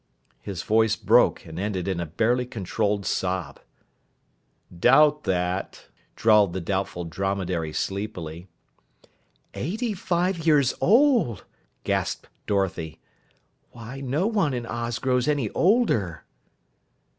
His voice broke and ended in a barely controlled sob. "Doubt that," drawled the Doubtful Dromedary sleepily. "Eighty five years old!" gasped Dorothy. "Why, no one in Oz grows any older!"